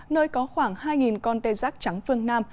nơi có khoảng hai con tê giác trắng phương nam